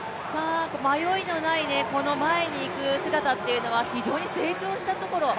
迷いのない、この前に行く姿というのは非常に成長したところ